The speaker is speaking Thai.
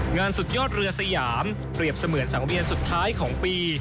สุดยอดเรือสยามเปรียบเสมือนสังเวียนสุดท้ายของปี